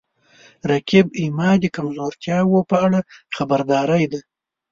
رقیب زما د کمزورتیاو په اړه خبرداری دی